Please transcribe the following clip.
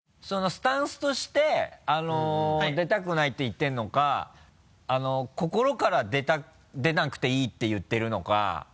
スタンスとして出たくないって言ってるのか心から出なくていいって言ってるのか。